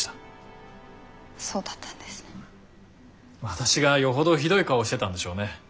私がよほどひどい顔をしてたんでしょうね。